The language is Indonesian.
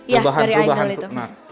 ya dari idol itu